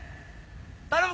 頼む